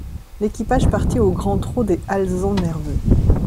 L'équipage partit au grand trot des alezans nerveux.